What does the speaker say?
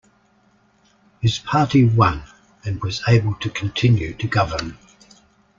His party won and was able to continue to govern.